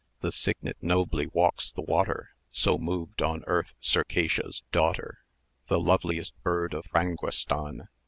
The cygnet nobly walks the water; So moved on earth Circassia's daughter, The loveliest bird of Franguestan!